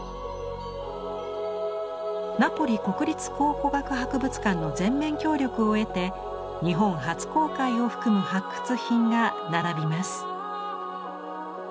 ナポリ国立考古学博物館の全面協力を得て日本初公開を含む発掘品が並びます。